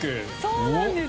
そうなんですよ。